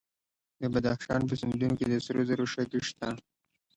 د بدخشان په سیندونو کې د سرو زرو شګې شته.